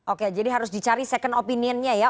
oke jadi harus dicari second opinionnya ya